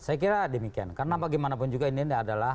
saya kira demikian karena bagaimanapun juga ini adalah